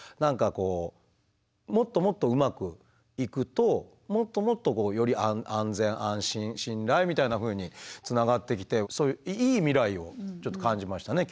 こうもっともっとうまくいくともっともっとより安全安心信頼みたいなふうにつながってきてそういういい未来をちょっと感じましたね